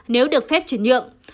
nếu được phép chuyển nhượng